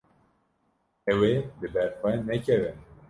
Ew ê li ber xwe nekeve.